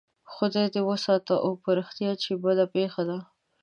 خدای دې وساته او په رښتیا چې بده پېښه ده.